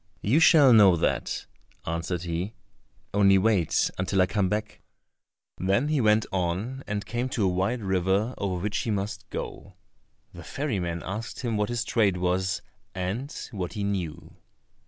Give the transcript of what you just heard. "You shall know that," answered he; "only wait until I come back." Then he went on and came to a wide river over which he must go. The ferryman asked him what his trade was, and what he knew.